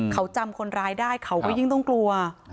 เขาจำคนร้ายได้เขาก็ยิ่งต้องกลัว